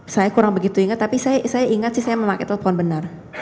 saya kurang begitu ingat tapi saya ingat sih saya memakai telepon benar